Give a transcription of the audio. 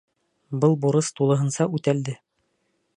Был бурыс тулыһынса үтәлде.